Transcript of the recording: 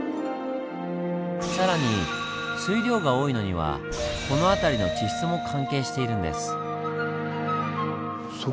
更に水量が多いのにはこの辺りの地質も関係しているんです。